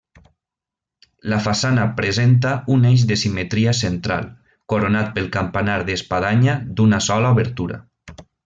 La façana presenta un eix de simetria central, coronat pel campanar d'espadanya d'una sola obertura.